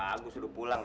umi kamu sudah pulang